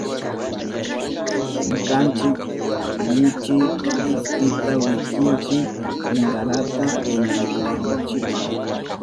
Ñukanchi lichi kaspita wikinchi punkarata rurananchipa.